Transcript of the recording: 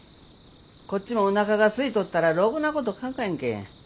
こっちもおなかがすいとったらろくなこと考えんけん。